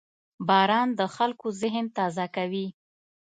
• باران د خلکو ذهن تازه کوي.